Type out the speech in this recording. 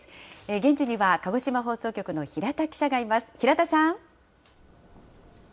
現地には鹿児島放送局の平田記者がいます。